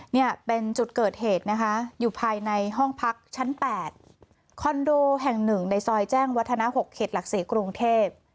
เนี่ยเป็นจุดเกิดเหตุนะคะอยู่ภายในห้องพักชั้น๘คอนโดแห่ง๑ในซอยแจ้งวัฒนา๖เขตหลัก๔กรุงเทพ